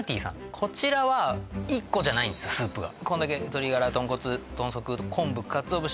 こちらは１個じゃないんですスープがこんだけ鶏ガラ豚骨豚足昆布鰹節